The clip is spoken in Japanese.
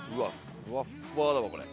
ふわっふわだわこれ。